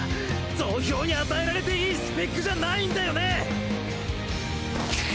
雑兵に与えられていいスペックじゃないんだよね！